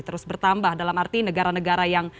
terus bertambah dalam arti negara negara yang